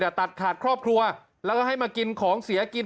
ตัดขาดครอบครัวแล้วก็ให้มากินของเสียกิน